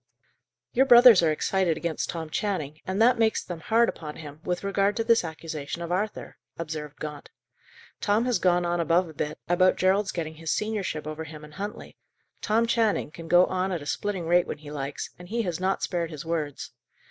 "Your brothers are excited against Tom Channing, and that makes them hard upon him, with regard to this accusation of Arthur," observed Gaunt. "Tom has gone on above a bit, about Gerald's getting his seniorship over him and Huntley. Tom Channing can go on at a splitting rate when he likes, and he has not spared his words.